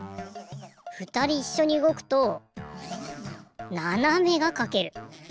ふたりいっしょにうごくとななめがかける。